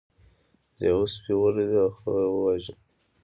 لیوه سپی ولید او هغه یې وواژه.